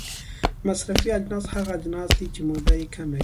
مصرفي اجناس هغه اجناس دي چې موده یې کمه وي.